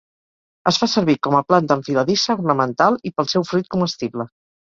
Es fa servir com a planta enfiladissa ornamental i pel seu fruit comestible.